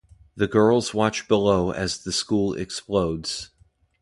The girls watch below as the school explodes.